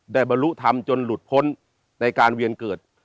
บรรลุธรรมจนหลุดพ้นในการเวียนเกิด